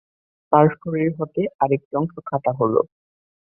তার শরীর থেকে আরেকটি অংশ কাটা হল।